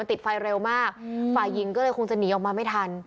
ติดไฟเร็วมากฝ่ายหญิงก็เลยคงจะหนีออกมาไม่ทัน